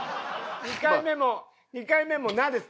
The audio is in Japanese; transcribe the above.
２回目も２回目も「な」です。